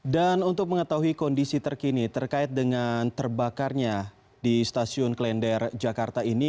dan untuk mengetahui kondisi terkini terkait dengan terbakarnya di stasiun klender jakarta ini